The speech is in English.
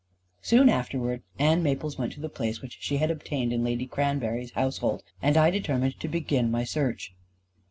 Soon afterwards, Ann Maples went to the place which she had obtained in Lady Cranberry's household; and I determined to begin my search.